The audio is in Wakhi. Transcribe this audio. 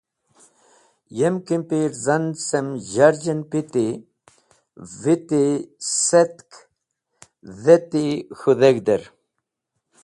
Yem kimpirzan cem zharzh en piti viti setk dheti k̃hũ dheg̃hder.